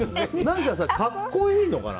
格好いいのかな？